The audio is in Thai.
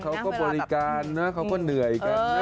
เขาก็บริการนะเขาก็เหนื่อยกันนะ